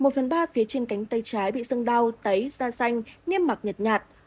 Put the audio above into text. một phần ba phía trên cánh tay trái bị sân đau tấy da xanh niêm mặc nhật nhạt